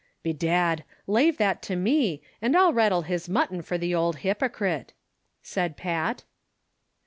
"Bedad, lave that to me, an' I'll rattle his mutton fur the ould liypocret," said Pat.